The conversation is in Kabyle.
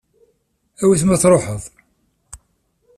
Awi-t ma tṛuḥeḍ.